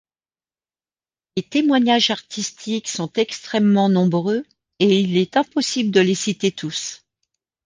Les témoignages artistiques sont extrêmement nombreux et il est impossible de les citer tous.